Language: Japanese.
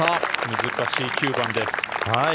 難しい９番で。